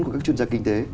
của các chuyên gia kinh tế